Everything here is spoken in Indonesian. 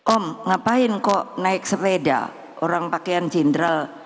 om ngapain kok naik sepeda orang pakaian jenderal